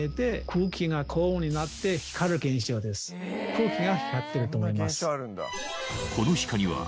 空気が光ってると思います